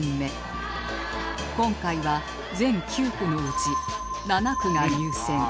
今回は全９句のうち７句が入選